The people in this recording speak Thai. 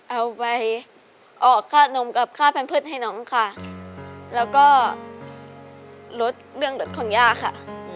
เอาไปออกค่านมกับค่าแพมเพิร์ตให้น้องค่ะแล้วก็ลดเรื่องรถของย่าค่ะ